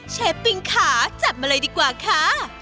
ปิงขาจัดมาเลยดีกว่าค่ะ